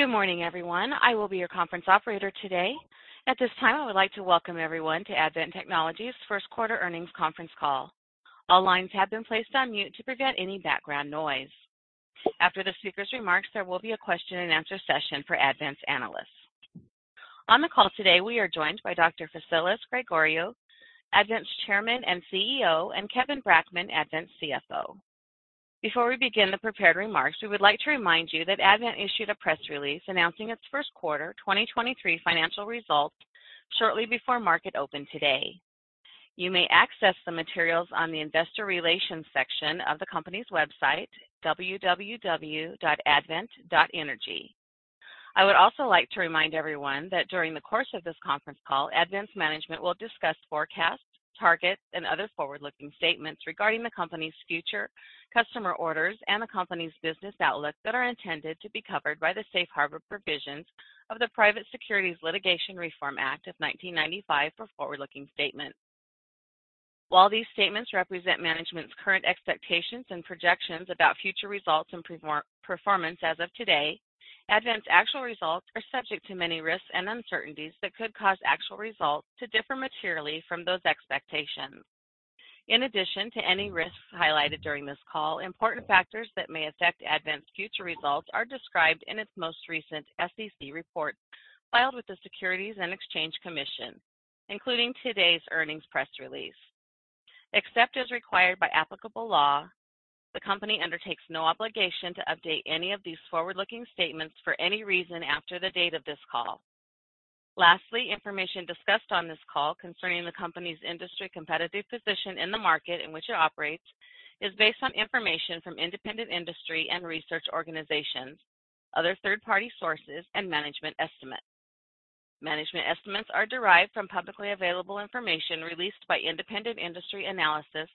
Good morning, everyone. I will be your conference operator today. At this time, I would like to welcome everyone to Advent Technologies' first quarter earnings conference call. All lines have been placed on mute to prevent any background noise. After the speaker's remarks, there will be a question and answer session for Advent's analysts. On the call today, we are joined by Dr. Vassilis Gregoriou, Advent's Chairman and CEO, and Kevin Brackman, Advent's CFO. Before we begin the prepared remarks, we would like to remind you that Advent issued a press release announcing its first quarter 2023 financial results shortly before market open today. You may access the materials on the investor relations section of the company's website, www.advent.energy. I would also like to remind everyone that during the course of this conference call, Advent's management will discuss forecasts, targets, and other forward-looking statements regarding the company's future, customer orders, and the company's business outlook that are intended to be covered by the safe harbor provisions of the Private Securities Litigation Reform Act of 1995 for forward-looking statements. While these statements represent management's current expectations and projections about future results and performance as of today, Advent's actual results are subject to many risks and uncertainties that could cause actual results to differ materially from those expectations. In addition to any risks highlighted during this call, important factors that may affect Advent's future results are described in its most recent SEC report filed with the Securities and Exchange Commission, including today's earnings press release. Except as required by applicable law, the company undertakes no obligation to update any of these forward-looking statements for any reason after the date of this call. Information discussed on this call concerning the company's industry competitive position in the market in which it operates is based on information from independent industry and research organizations, other third-party sources, and management estimates. Management estimates are derived from publicly available information released by independent industry analysis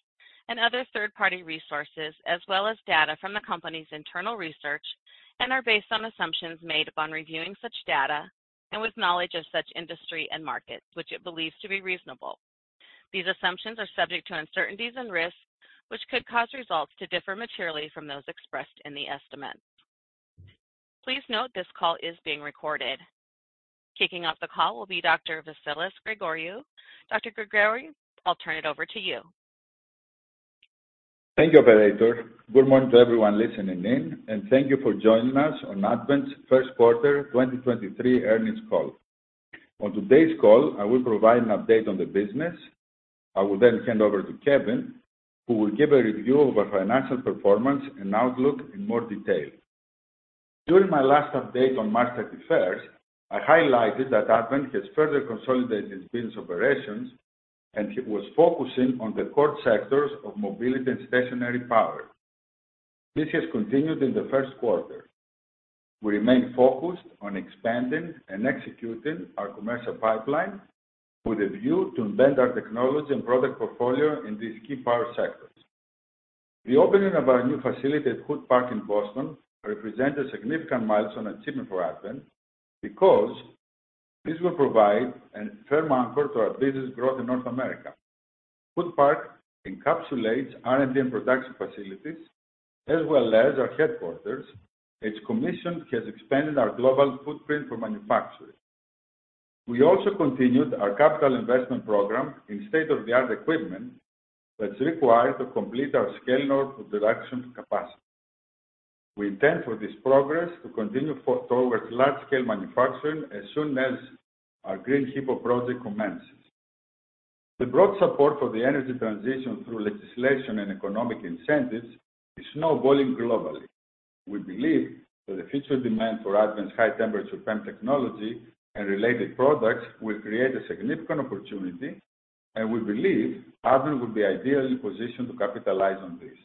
and other third-party resources, as well as data from the company's internal research, and are based on assumptions made upon reviewing such data and with knowledge of such industry and markets, which it believes to be reasonable. These assumptions are subject to uncertainties and risks, which could cause results to differ materially from those expressed in the estimate. Please note this call is being recorded. Kicking off the call will be Dr. Vassilis Gregoriou. Gregoriou, I'll turn it over to you. Thank you, operator. Good morning to everyone listening in, and thank you for joining us on Advent's first quarter 2023 earnings call. On today's call, I will provide an update on the business. I will then hand over to Kevin, who will give a review of our financial performance and outlook in more detail. During my last update on March 31st, I highlighted that Advent has further consolidated its business operations and it was focusing on the core sectors of mobility and stationary power. This has continued in the first quarter. We remain focused on expanding and executing our commercial pipeline with a view to embed our technology and product portfolio in these key power sectors. The opening of our new facility at Hood Park in Boston represents a significant milestone achievement for Advent because this will provide a firm anchor to our business growth in North America. Hood Park encapsulates R&D and production facilities as well as our headquarters. Its commission has expanded our global footprint for manufacturing. We also continued our capital investment program in state-of-the-art equipment that's required to complete our scale North production capacity. We intend for this progress to continue towards large-scale manufacturing as soon as our Green HiPo project commences. The broad support for the energy transition through legislation and economic incentives is snowballing globally. We believe that the future demand for Advent's high-temperature PEM technology and related products will create a significant opportunity, and we believe Advent will be ideally positioned to capitalize on this.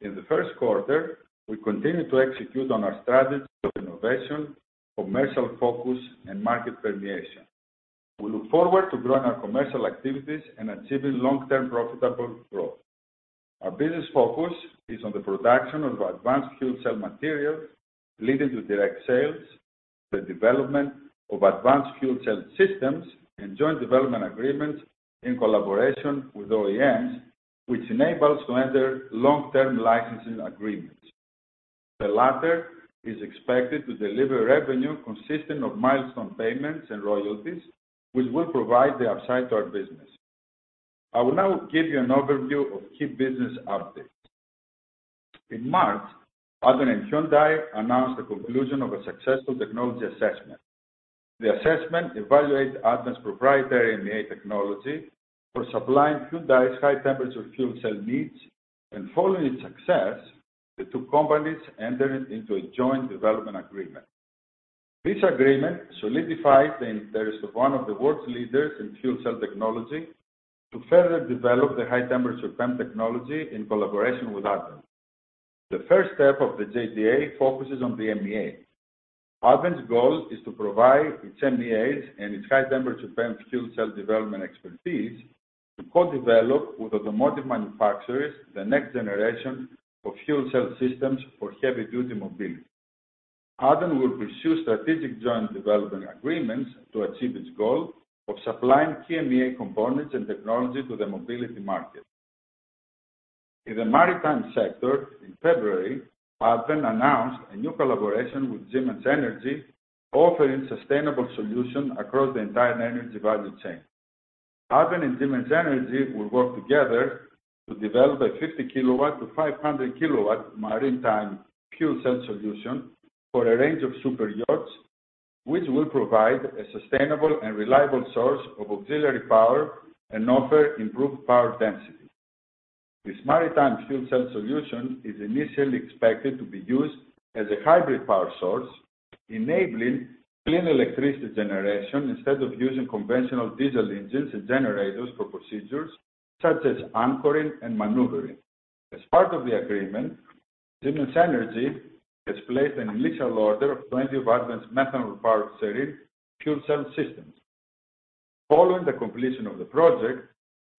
In the first quarter, we continued to execute on our strategy of innovation, commercial focus, and market permeation. We look forward to growing our commercial activities and achieving long-term profitable growth. Our business focus is on the production of advanced fuel cell materials leading to direct sales, the development of advanced fuel cell systems, and joint development agreements in collaboration with OEMs, which enables to enter long-term licensing agreements. The latter is expected to deliver revenue consisting of milestone payments and royalties, which will provide the upside to our business. I will now give you an overview of key business updates. In March, Advent and Hyundai announced the conclusion of a successful technology assessment. The assessment evaluated Advent's proprietary MEA technology for supplying Hyundai's high-temperature fuel cell needs, and following its success, the two companies entered into a joint development agreement. This agreement solidified the interest of one of the world's leaders in fuel cell technology to further develop the high-temperature PEM technology in collaboration with Advent. The first step of the JDA focuses on the MEA. Advent's goal is to provide its MEAs and its high temperature PEM fuel cell development expertise to co-develop with automotive manufacturers the next generation of fuel cell systems for heavy-duty mobility. Will pursue strategic joint development agreements to achieve its goal of supplying key MEA components and technology to the mobility market. In the maritime sector in February, Advent announced a new collaboration with Siemens Energy, offering sustainable solution across the entire energy value chain. Advent and Siemens Energy will work together to develop a 50 KW-500 KW maritime fuel cell solution for a range of super yachts, which will provide a sustainable and reliable source of auxiliary power and offer improved power density. This maritime fuel cell solution is initially expected to be used as a hybrid power source, enabling clean electricity generation instead of using conventional diesel engines and generators for procedures such as anchoring and maneuvering. As part of the agreement, Siemens Energy has placed an initial order of 20 of Advent's methanol-powered Serene fuel cell systems. Following the completion of the project,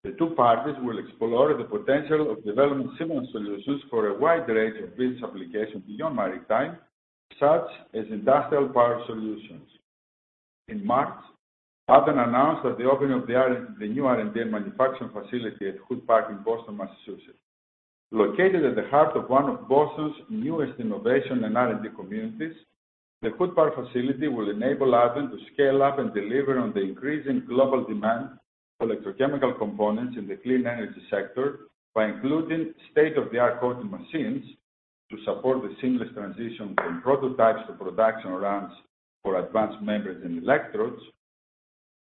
the two parties will explore the potential of developing similar solutions for a wide range of business applications beyond maritime, such as industrial power solutions. In March, Advent announced that the opening of the new R&D and manufacturing facility at Hood Park in Boston, Massachusetts. Located at the heart of one of Boston's newest innovation and R&D communities, the Hood Park facility will enable Advent to scale up and deliver on the increasing global demand for electrochemical components in the clean energy sector by including state-of-the-art coating machines to support the seamless transition from prototypes to production runs for advanced membranes and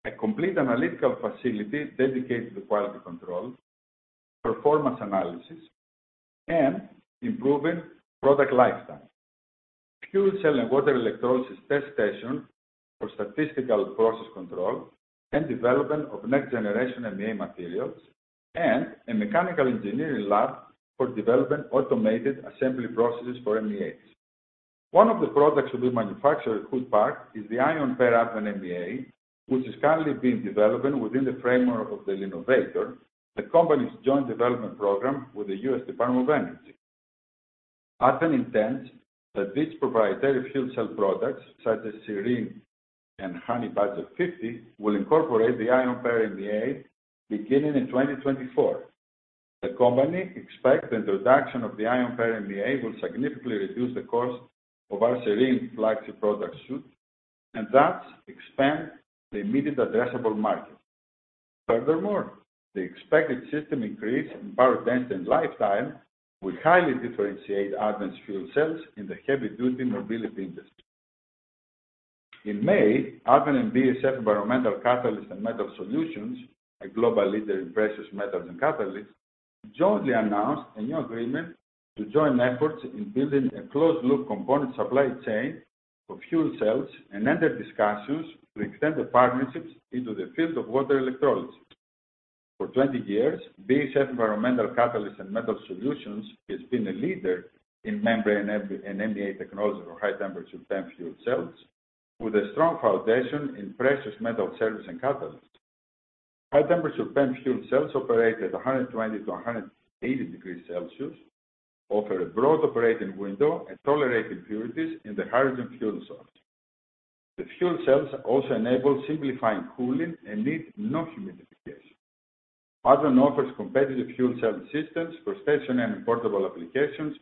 electrodes, a complete analytical facility dedicated to quality control, performance analysis, and improving product lifetime. Fuel cell and water electrolysis test station for statistical process control and development of next generation MEA materials, and a mechanical engineering lab for developing automated assembly processes for MEAs. One of the products will be manufactured at Hood Park is the Ion Pair Advent MEA, which is currently being developed within the framework of the L'Innovator, the company's joint development program with the U.S. Department of Energy. Advent intends that its proprietary fuel cell products such as Serene and Honey Badger 50 will incorporate the Ion Pair MEA beginning in 2024. The company expects the introduction of the Ion Pair MEA will significantly reduce the cost of our Serene flagship product suite and thus expand the immediate addressable market. Furthermore, the expected system increase in power density and lifetime will highly differentiate Advent's fuel cells in the heavy-duty mobility industry. In May, Advent and BASF Environmental Catalyst and Metal Solutions, a global leader in precious metals and catalysts, jointly announced a new agreement to join efforts in building a closed loop component supply chain for fuel cells and enter discussions to extend the partnerships into the field of water electrolysis. For 20 years, BASF Environmental Catalysts and Metal Solutions has been a leader in membrane and MEA technology for high-temperature PEM fuel cells with a strong foundation in precious metal service and catalysts. High-temperature PEM fuel cells operate at 120 to 180 degrees Celsius, offer a broad operating window, and tolerate impurities in the hydrogen fuel source. The fuel cells also enable simplifying cooling and need no humidification. Advent offers competitive fuel cell systems for stationary and portable applications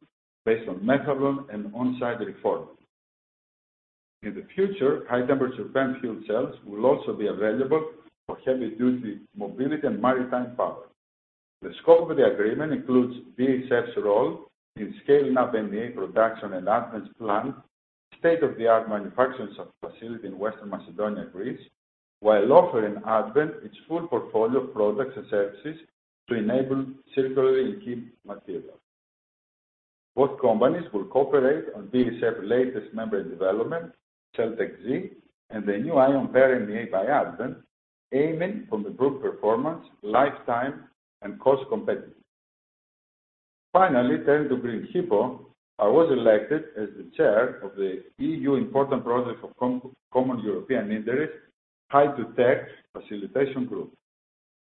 based on methanol and on-site reform. In the future, high-temperature PEM fuel cells will also be available for heavy-duty mobility and maritime power. The scope of the agreement includes BASF's role in scaling up MEA production at Advent's planned state-of-the-art manufacturing facility in Western Macedonia, Greece, while offering Advent its full portfolio of products and services to enable circular economy material. Both companies will cooperate on BASF latest membrane development, Celtec-Z, and the new Ion Pair MEA by Advent, aiming for improved performance, lifetime, and cost competitiveness. Finally, turning to Green HiPo, I was elected as the chair of the EU Important Projects of Common European Interest Hy2Tech Facilitation Group.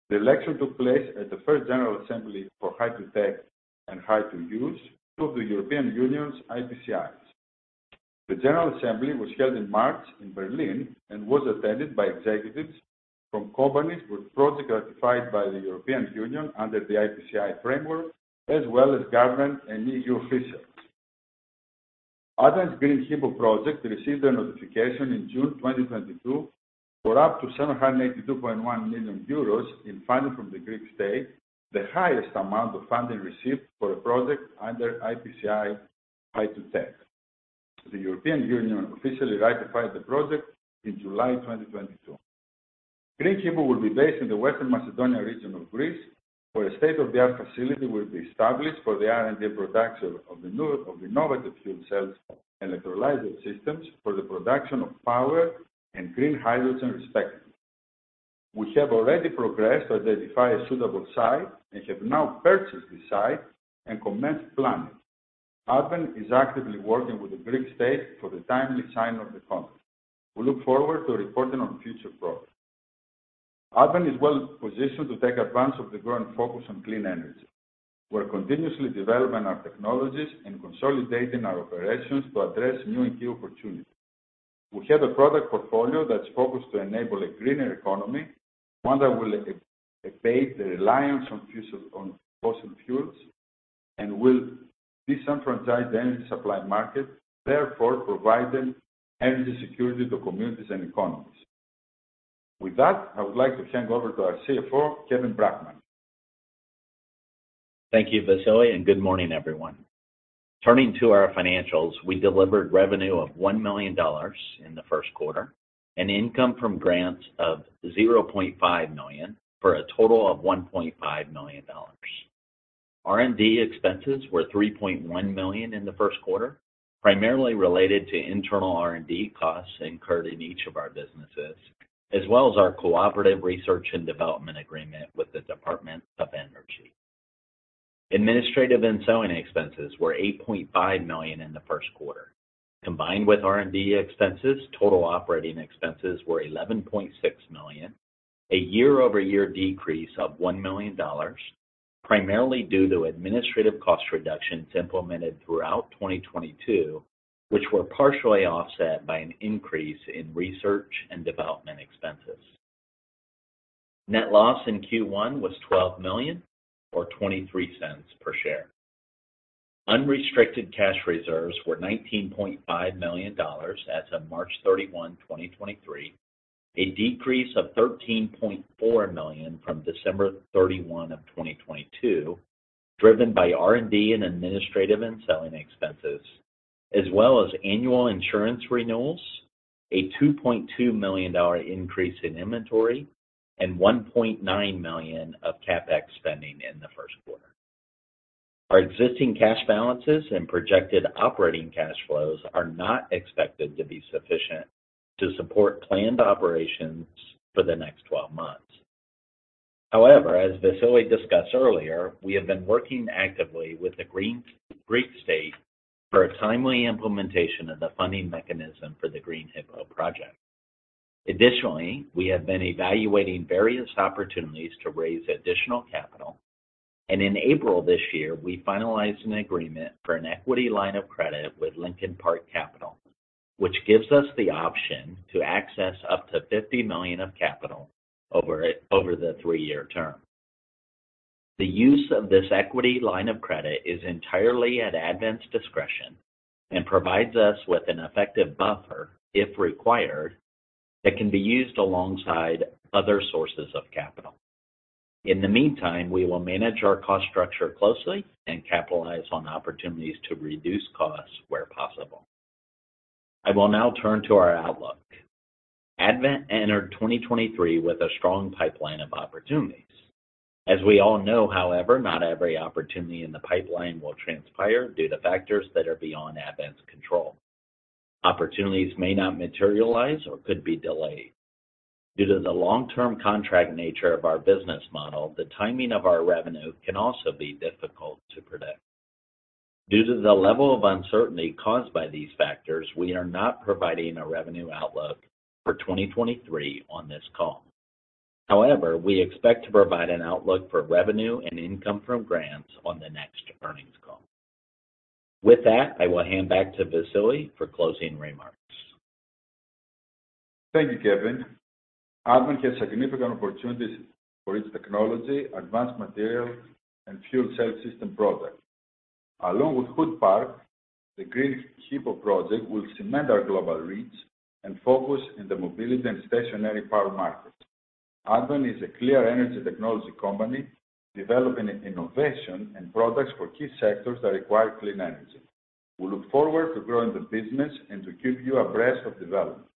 The election took place at the first general assembly for Hy2Tech and Hy2Use of the European Union's IPCEIs. The general assembly was held in March in Berlin and was attended by executives from companies with project ratified by the European Union under the IPCEI framework, as well as government and EU officials. Advent's Green HiPo project received a notification in June 2022 for up to 782.1 million euros in funding from the Greek state, the highest amount of funding received for a project under IPCEI Hy2Tech. The European Union officially ratified the project in July 2022. Green HiPo will be based in the Western Macedonia region of Greece, where a state-of-the-art facility will be established for the R&D production of innovative fuel cells and electrolysis systems for the production of power and green hydrogen, respectively. We have already progressed to identify a suitable site and have now purchased the site and commenced planning. Advent is actively working with the Greek state for the timely sign of the contract. We look forward to reporting on future progress. Advent is well positioned to take advantage of the growing focus on clean energy. We're continuously developing our technologies and consolidating our operations to address new and key opportunities. We have a product portfolio that's focused to enable a greener economy, one that will abate the reliance on fossil fuels and will disenfranchise the energy supply market, therefore providing energy security to communities and economies. With that, I would like to hand over to our CFO, Kevin Brackman. Thank you, Vassilis, and good morning, everyone. Turning to our financials, we delivered revenue of $1 million in the first quarter and income from grants of $0.5 million, for a total of $1.5 million. R&D expenses were $3.1 million in the first quarter, primarily related to internal R&D costs incurred in each of our businesses, as well as our cooperative research and development agreement with the U.S. Department of Energy. Administrative and selling expenses were $8.5 million in the first quarter. Combined with R&D expenses, total operating expenses were $11.6 million, a year-over-year decrease of $1 million, primarily due to administrative cost reductions implemented throughout 2022, which were partially offset by an increase in research and development expenses. Net loss in Q1 was $12 million or $0.23 per share. Unrestricted cash reserves were $19.5 million as of March 31, 2023, a decrease of $13.4 million from December 31st, 2022, driven by R&D and administrative and selling expenses, as well as annual insurance renewals, a $2.2 million increase in inventory, and $1.9 million of CapEx spending in the first quarter. Our existing cash balances and projected operating cash flows are not expected to be sufficient to support planned operations for the next 12 months. However, as Vassilis discussed earlier, we have been working actively with the Greek state for a timely implementation of the funding mechanism for the Green HiPo project. Additionally, we have been evaluating various opportunities to raise additional capital. In April this year, we finalized an agreement for an equity line of credit with Lincoln Park Capital, which gives us the option to access up to $50 million of capital over the three-year term. The use of this equity line of credit is entirely at Advent's discretion and provides us with an effective buffer, if required, that can be used alongside other sources of capital. In the meantime, we will manage our cost structure closely and capitalize on opportunities to reduce costs where possible. I will now turn to our outlook. Advent entered 2023 with a strong pipeline of opportunities. As we all know, however, not every opportunity in the pipeline will transpire due to factors that are beyond Advent's control. Opportunities may not materialize or could be delayed. Due to the long-term contract nature of our business model, the timing of our revenue can also be difficult to predict. Due to the level of uncertainty caused by these factors, we are not providing a revenue outlook for 2023 on this call. However, we expect to provide an outlook for revenue and income from grants on the next earnings call. With that, I will hand back to Vassilis for closing remarks. Thank you, Kevin. Advent has significant opportunities for its technology, advanced material, and fuel cell system products. Along with Hood Park, the Green HiPo project will cement our global reach and focus in the mobility and stationary power markets. Advent is a clear energy technology company developing innovation and products for key sectors that require clean energy. We look forward to growing the business and to keep you abreast of developments.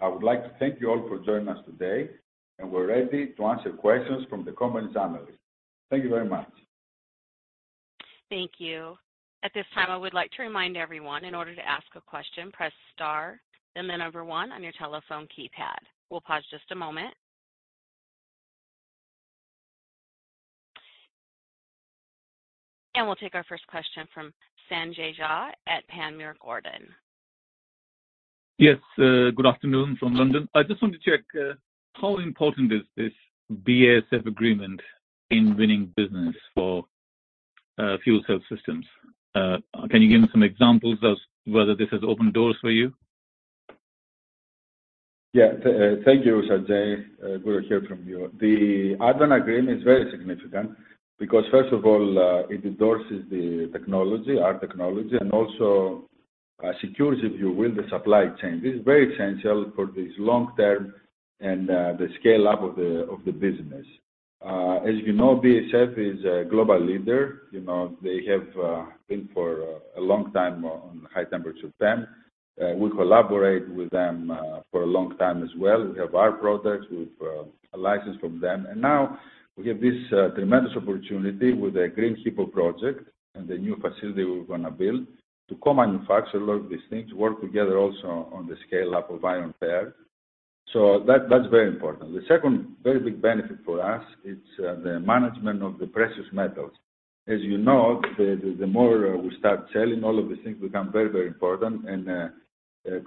I would like to thank you all for joining us today, and we're ready to answer questions from the conference analysts. Thank you very much. Thank you. At this time, I would like to remind everyone in order to ask a question, press star and then number one on your telephone keypad. We'll pause just a moment. We'll take our first question from Sanjay Jha at Panmure Gordon. Yes. good afternoon from London. I just want to check, how important is this BASF agreement in winning business for fuel cell systems? Can you give me some examples of whether this has opened doors for you? Yeah. Thank you, Sanjay. Good to hear from you. The Advent agreement is very significant because first of all, it endorses the technology, our technology, and also, secures, if you will, the supply chain. This is very essential for this long-term and the scale-up of the business. As you know, BASF is a global leader. You know, they have been for a long time on high temperature PEM. We collaborate with them for a long time as well. We have our products. We've a license from them. Now we have this tremendous opportunity with the Green HiPo project and the new facility we're gonna build to co-manufacture a lot of these things, work together also on the scale up of Ion Pair. That's very important. The second very big benefit for us it's the management of the precious metals. As you know, the more we start selling, all of these things become very, very important and a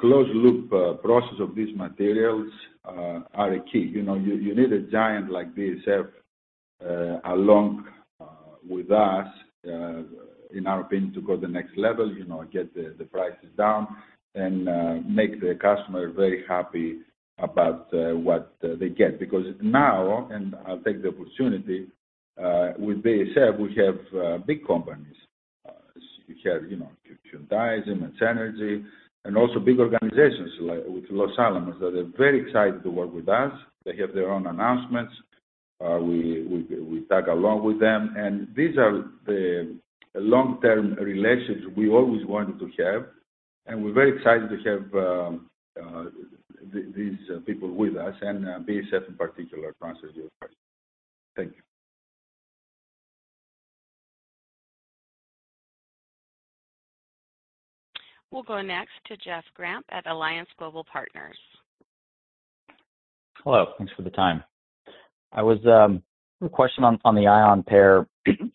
closed loop process of these materials are a key. You know, you need a giant like BASF along with us in our opinion to go to the next level, you know, get the prices down and make the customer very happy about what they get. Because now, and I'll take the opportunity with BASF, we have big companies. We have, you know, Hyundai, Siemens Energy, and also big organizations like with Los Alamos, that are very excited to work with us. They have their own announcements. We tag along with them. These are the long-term relations we always wanted to have, and we're very excited to have, these people with us, and, BASF in particular, Francis, you first. Thank you. We'll go next to Jeff Grampp at Alliance Global Partners. Hello. Thanks for the time. A question on the Ion Pair.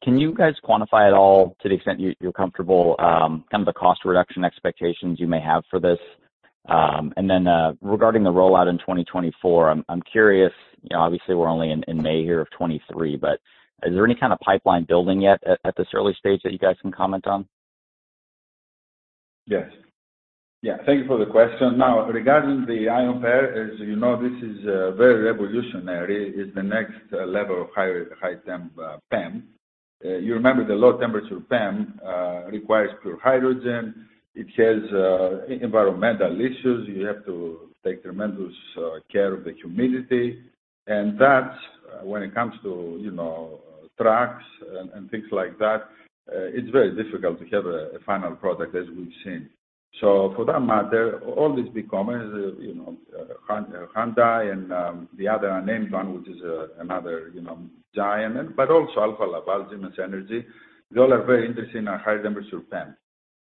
Can you guys quantify at all, to the extent you're comfortable, kind of the cost reduction expectations you may have for this? Regarding the rollout in 2024, I'm curious, you know, obviously we're only in May here of 2023, but is there any kind of pipeline building yet at this early stage that you guys can comment on? Yes. Yeah. Thank you for the question. Now, regarding the Ion Pair, as you know, this is very revolutionary. It's the next level of higher, high temp PEM. You remember the low temperature PEM requires pure hydrogen. It has environmental issues. You have to take tremendous care of the humidity. That's when it comes to, you know, trucks and things like that, it's very difficult to have a final product as we've seen. For that matter, all these big companies, you know, Hyundai and the other unnamed one, which is another, you know, giant, but also Alfa Laval, Siemens Energy, they all are very interested in a higher temperature PEM.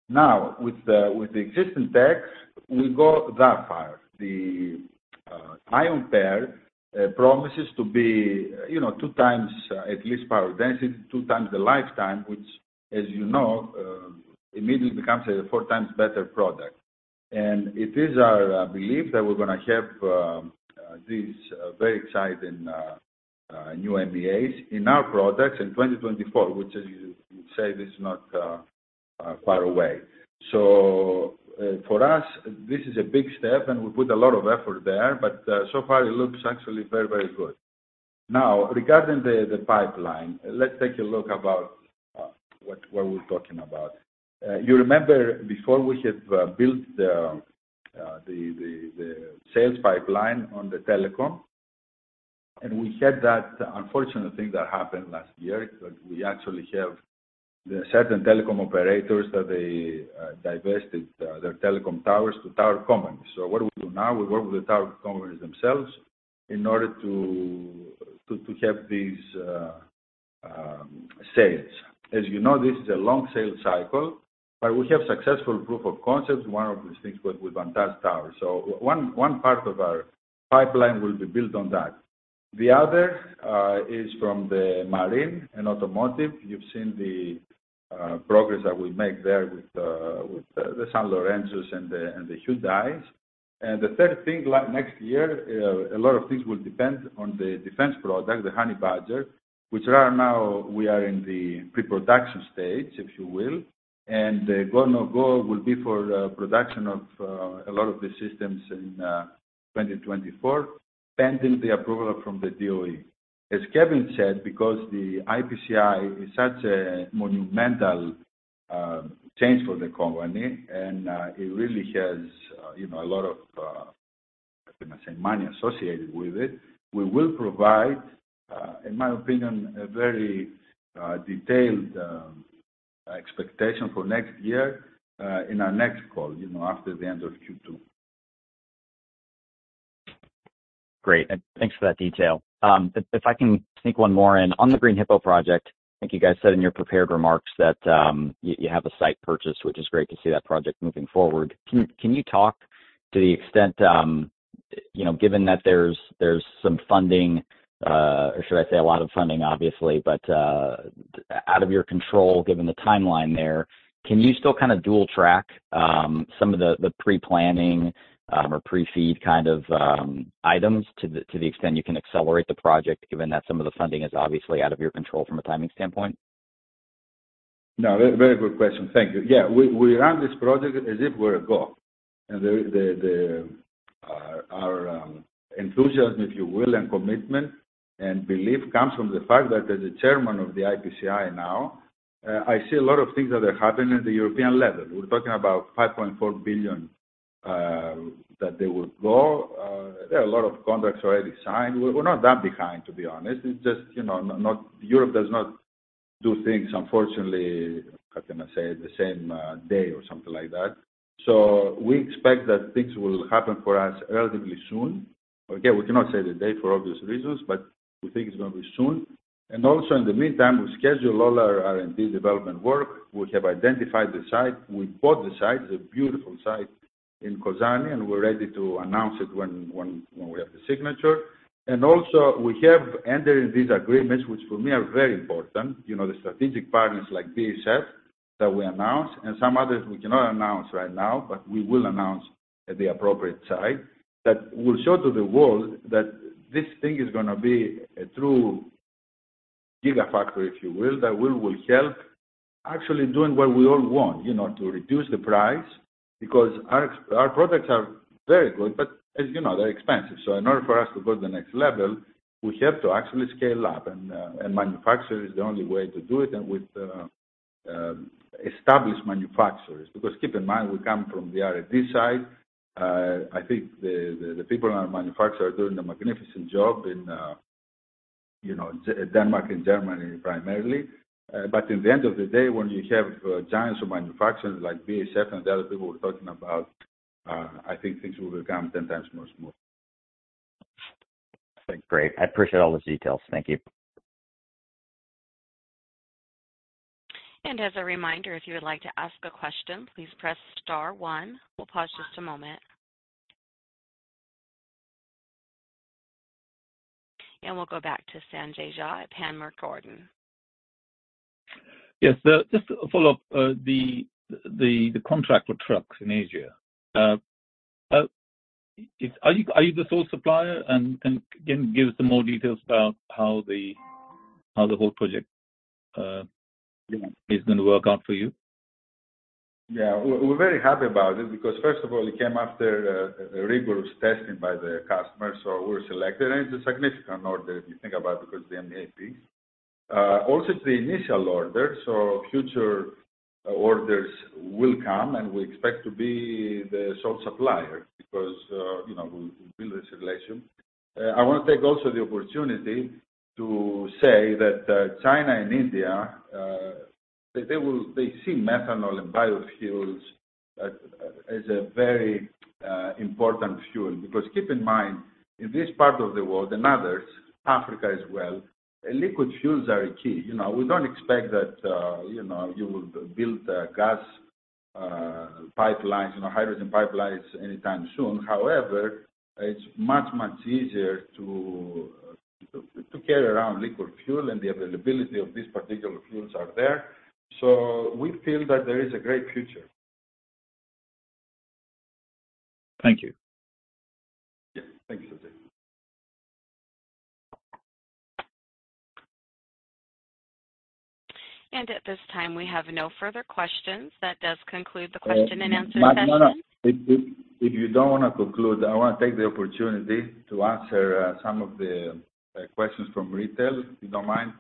Now, with the existing tech, we go that far. The Ion Pair™, promises to be, you know, two times at least power density, two times the lifetime, which, as you know, immediately becomes a four times better product. It is our belief that we're gonna have these very exciting new MEAs in our products in 2024, which as you say, this is not far away. For us, this is a big step, and we put a lot of effort there, but so far it looks actually very, very good. Now, regarding the pipeline, let's take a look about what we're talking about. You remember before we had built the sales pipeline on the telecom, and we had that unfortunate thing that happened last year. We actually have the certain telecom operators that they divested their telecom towers to tower companies. What do we do now? We work with the tower companies themselves in order to have these sales. As you know, this is a long sales cycle, but we have successful proof of concept, one of these things with Vantage Towers. One part of our pipeline will be built on that. The other is from the marine and automotive. You've seen the progress that we make there with the Sanlorenzos and the Hyundais. The third thing, like next year, a lot of things will depend on the defense product, the Honey Badger, which right now we are in the pre-production stage, if you will. The go, no-go will be for production of a lot of the systems in 2024, pending the approval from the DOE. As Kevin said, because the IPCEI is such a monumental change for the company, and it really has, you know, a lot of, how can I say, money associated with it, we will provide, in my opinion, a very detailed expectation for next year, in our next call, you know, after the end of Q2. Great. Thanks for that detail. If I can sneak one more in. On the Green HiPo project, I think you guys said in your prepared remarks that you have a site purchase, which is great to see that project moving forward. Can you talk to the extent, you know, given that there's some funding, or should I say a lot of funding obviously, but out of your control, given the timeline there, can you still kinda dual track some of the pre-planning or pre-feed kind of items to the extent you can accelerate the project given that some of the funding is obviously out of your control from a timing standpoint? No, very good question. Thank you. Yeah. We, we run this project as if we're a go. Our enthusiasm, if you will, and commitment and belief comes from the fact that as a chairman of the IPCEI now, I see a lot of things that are happening at the European level. We're talking about $5.4 billion that they will go. There are a lot of contracts already signed. We're, we're not that behind, to be honest. It's just, you know, Europe does not do things, unfortunately, how can I say? The same day or something like that. We expect that things will happen for us relatively soon. Again, we cannot say the date for obvious reasons, but we think it's gonna be soon. In the meantime, we schedule all our R&D development work. We have identified the site. We bought the site. It's a beautiful site in Kozani. We're ready to announce it when we have the signature. Also, we have entered in these agreements, which for me are very important. You know, the strategic partners like BASF. That we announce and some others we cannot announce right now, we will announce at the appropriate time. This will show to the world that this thing is going to be a true gigafactory, if you will, that will help actually doing what we all want, you know, to reduce the price. Our products are very good, as you know, they're expensive. In order for us to go to the next level, we have to actually scale up, and manufacture is the only way to do it and with established manufacturers. Because keep in mind, we come from the R&D side. I think the people in our manufacturer are doing a magnificent job in, you know, Denmark and Germany primarily. In the end of the day, when you have giants of manufacturing like BASF and the other people we're talking about, I think things will become 10 times more smooth. That's great. I appreciate all those details. Thank you. As a reminder, if you would like to ask a question, please press star 1. We'll pause just a moment. We'll go back to Sanjay Jha at Panmure Gordon. Yes. Just to follow up, the contract with trucks in Asia, are you the sole supplier? Can give us some more details about how the whole project, you know, is gonna work out for you. Yeah. We're very happy about it because first of all, it came after a rigorous testing by the customer, we were selected. It's a significant order, if you think about it, because the MEA. Also it's the initial order, future orders will come, we expect to be the sole supplier because, you know, we build this relation. I want to take also the opportunity to say that China and India, they see methanol and biofuels as a very important fuel. Keep in mind, in this part of the world and others, Africa as well, liquid fuels are a key. You know, we don't expect that, you know, you will build a gas pipelines, you know, hydrogen pipelines anytime soon. It's much, much easier to carry around liquid fuel and the availability of these particular fuels are there. We feel that there is a great future. Thank you. Yeah. Thank you, Sanjay. At this time, we have no further questions. That does conclude the question and answer session. No, no. If you don't wanna conclude, I wanna take the opportunity to answer some of the questions from retail, if you don't mind.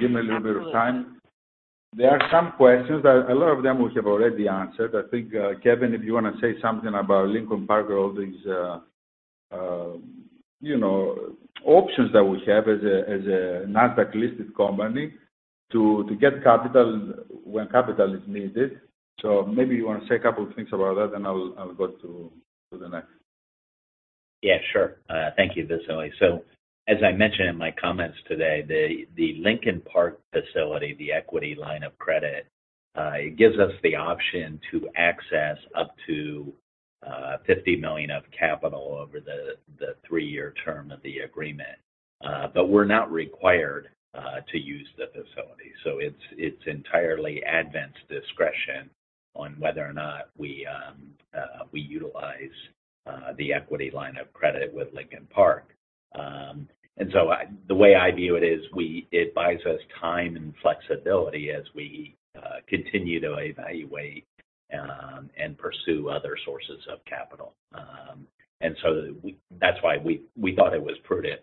Give me a little bit of time. Absolutely. There are some questions that a lot of them we have already answered. I think, Kevin, if you wanna say something about Lincoln Park or all these, you know, options that we have as a, as a Nasdaq-listed company to get capital when capital is needed. Maybe you want to say a couple things about that, then I'll go to the next. Yeah, sure. Thank you, Vassili. As I mentioned in my comments today, the Lincoln Park facility, the equity line of credit, it gives us the option to access up to $50 million of capital over the 3-year term of the agreement. We're not required to use the facility. It's entirely Advent's discretion on whether or not we utilize the equity line of credit with Lincoln Park. The way I view it is it buys us time and flexibility as we continue to evaluate and pursue other sources of capital. That's why we thought it was prudent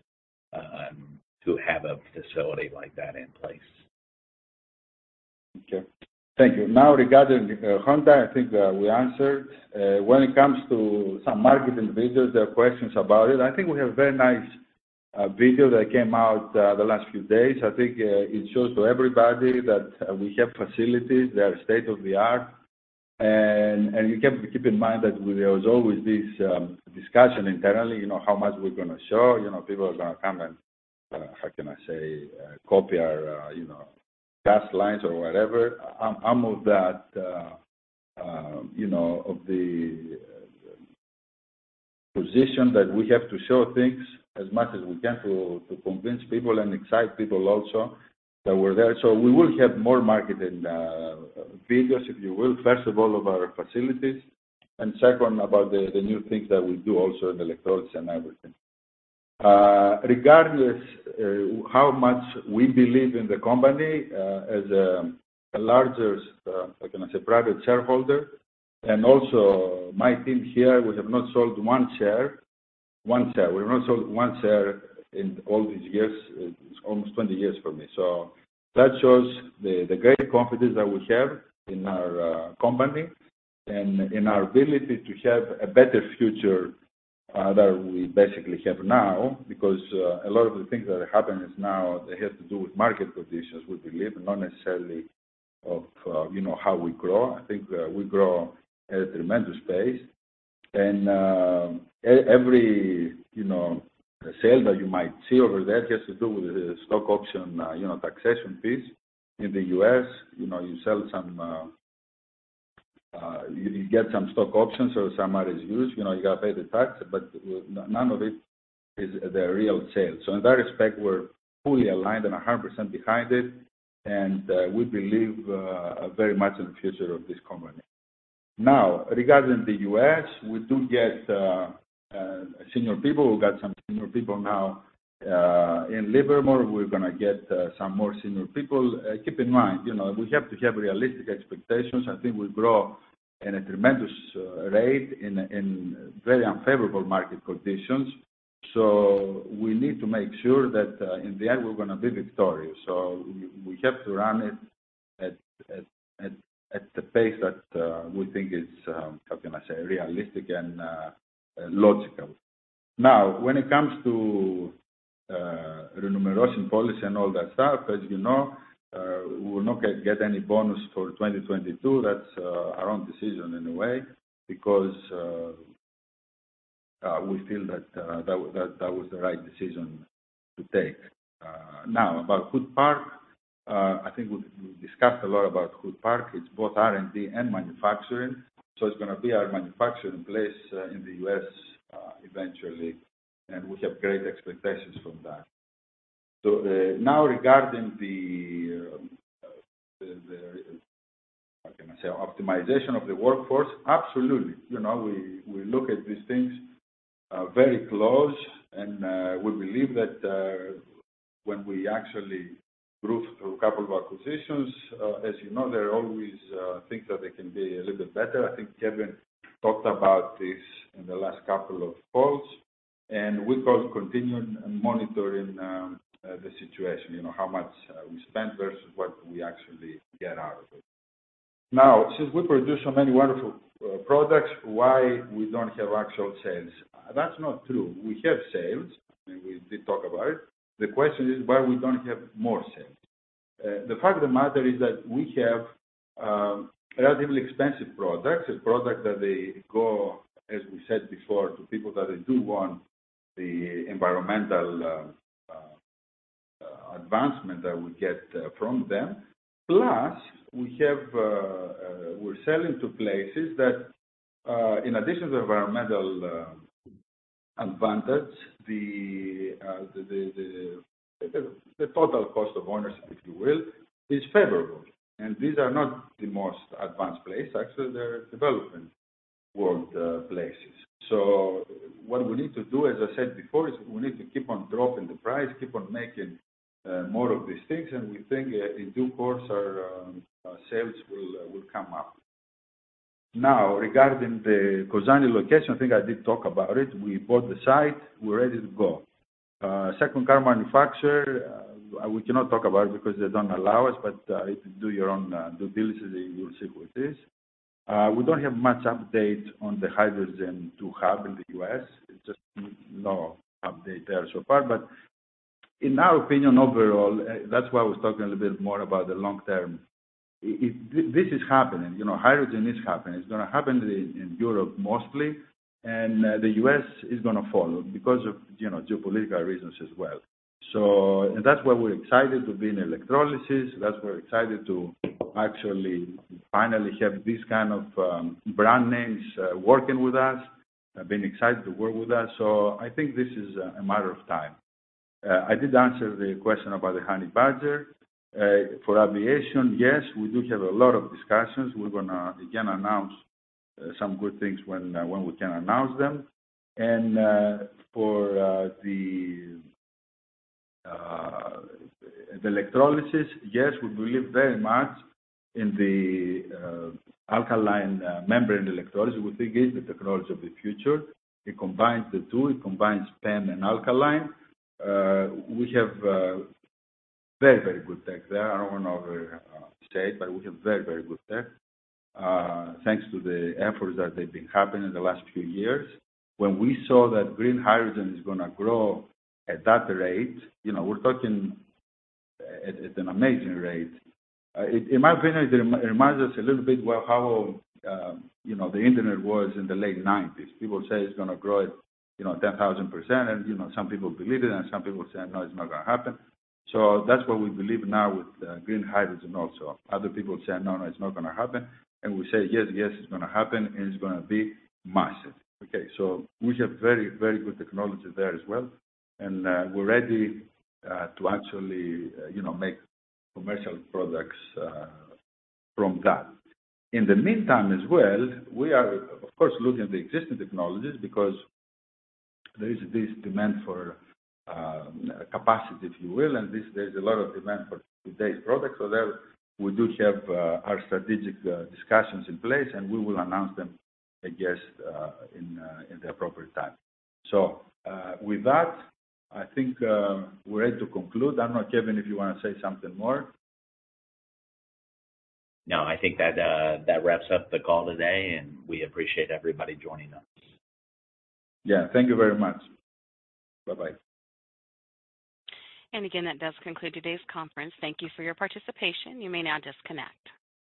to have a facility like that in place. Okay. Thank you. Regarding Honda, I think we answered. When it comes to some marketing videos, there are questions about it. I think we have very nice video that came out the last few days. I think it shows to everybody that we have facilities, they are state-of-the-art. You can keep in mind that there was always this discussion internally, you know, how much we're gonna show. You know, people are gonna come and, how can I say? Copy our, you know, gas lines or whatever. I'm of that, you know, of the position that we have to show things as much as we can to convince people and excite people also that we're there. We will have more marketing videos, if you will, first of all, of our facilities. Second, about the new things that we do also in electronics and everything. Regardless, how much we believe in the company, as a larger, how can I say? Private shareholder, and also my team here, we have not sold one share. One share. We have not sold one share in all these years. It's almost 20 years for me. That shows the great confidence that we have in our company and in our ability to have a better future that we basically have now. A lot of the things that are happening now, they have to do with market conditions, we believe, not necessarily of, you know, how we grow. I think, we grow at a tremendous pace. Every, you know, sale that you might see over there has to do with the stock option, you know, taxation piece in the U.S. You know, you sell some, you get some stock options or some are as usual. You know, you got to pay the tax, but none of it is the real sale. In that respect, we're fully aligned and 100% behind it, and we believe very much in the future of this company. Regarding the U.S., we do get senior people. We've got some senior people now in Livermore. We're gonna get some more senior people. Keep in mind, you know, we have to have realistic expectations. I think we grow in a tremendous rate in very unfavorable market conditions. We need to make sure that, in the end, we're gonna be victorious. We have to run it at the pace that we think is how can I say, realistic and logical. When it comes to remuneration policy and all that stuff, as you know, we will not get any bonus for 2022. That's our own decision in a way because we feel that was the right decision to take. About Hood Park, I think we discussed a lot about Hood Park. It's both R&D and manufacturing, so it's gonna be our manufacturing place in the U.S., eventually, and we have great expectations from that. Now regarding the how can I say, optimization of the workforce, absolutely. You know, we look at these things very close, and we believe that when we actually grew through a couple of acquisitions, as you know, there are always things that they can be a little bit better. I think Kevin talked about this in the last couple of calls, and we both continued monitoring the situation. You know, how much we spend versus what we actually get out of it. Since we produce so many wonderful products, why we don't have actual sales? That's not true. We have sales. I mean, we did talk about it. The question is why we don't have more sales. The fact of the matter is that we have relatively expensive products. It's products that they go, as we said before, to people that they do want the environmental advancement that we get from them. We're selling to places that in addition to environmental advantage, the total cost of ownership, if you will, is favorable. These are not the most advanced place. Actually, they're developing world places. What we need to do, as I said before, is we need to keep on dropping the price, keep on making more of these things, and we think in due course our sales will come up. Regarding the Kozani location, I think I did talk about it. We bought the site. We're ready to go. Second car manufacturer, we cannot talk about it because they don't allow us. If you do your own due diligence, you will see who it is. We don't have much update on the hydrogen to have in the U.S. It's just no update there so far. In our opinion, overall, that's why I was talking a little bit more about the long term. This is happening. You know, hydrogen is happening. It's gonna happen in Europe mostly, the U.S. is gonna follow because of, you know, geopolitical reasons as well. That's why we're excited to be in electrolysis. That's why we're excited to actually finally have these kind of brand names working with us, have been excited to work with us. I think this is a matter of time. I did answer the question about the Honey Badger. For aviation, yes, we do have a lot of discussions. We're going to again announce some good things when we can announce them. For the electrolysis, yes, we believe very much in the alkaline membrane electrolysis. We think it's the technology of the future. It combines the two. It combines PEM and alkaline. We have very, very good tech there. I don't want to overstate, but we have very, very good tech, thanks to the efforts that they've been having in the last few years. When we saw that green hydrogen is going to grow at that rate, you know, we're talking at an amazing rate. In my opinion, it reminds us a little bit, well, how, you know, the Internet was in the late nineties. People say it's gonna grow at, you know, 10,000%, and, you know, some people believe it, and some people say, "No, it's not gonna happen." That's what we believe now with green hydrogen also. Other people say, "No, it's not gonna happen," and we say, "Yes, it's gonna happen, and it's gonna be massive." Okay? We have very good technology there as well, and we're ready to actually, you know, make commercial products from that. In the meantime as well, we are, of course, looking at the existing technologies because there is this demand for capacity, if you will, and there's a lot of demand for today's products. There we do have, our strategic discussions in place, and we will announce them, I guess, in the appropriate time. With that, I think, we're ready to conclude. I don't know, Kevin, if you want to say something more. No. I think that wraps up the call today, we appreciate everybody joining us. Yeah. Thank you very much. Bye-bye. Again, that does conclude today's conference. Thank you for your participation. You may now disconnect.